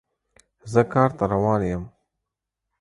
زه کار ته روان یم